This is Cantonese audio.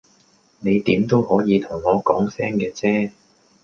你點都可以同我講聲嘅啫